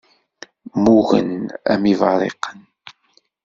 Mmugen am yiberriqen.